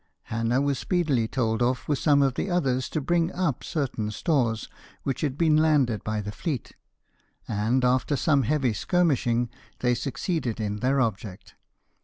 Hannah was speedily told off with some others to bring up certain stores, which had been landed by the fleet, and, after some heavy skirmishing, they succeeded in their object.